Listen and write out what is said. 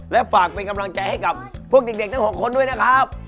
และฝากเป็นกำลังใจให้กับพวกเด็กทั้ง๖คนด้วยนะครับ